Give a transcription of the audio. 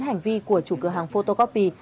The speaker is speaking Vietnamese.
hành vi của chủ cửa hàng photocopy